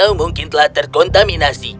air danau mungkin telah terkontaminasi